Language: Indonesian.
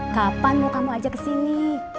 kapan mau kamu ajak kesini